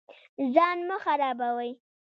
ځان مه خرابوئ